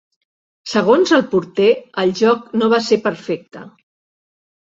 Segons el porter, el joc no va ser perfecte.